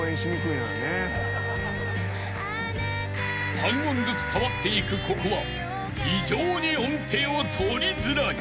［半音ずつ変わっていくここは非常に音程を取りづらい］